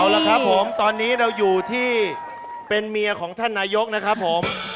เอาละครับผมตอนนี้เราอยู่ที่เป็นเมียของท่านนายกนะครับผม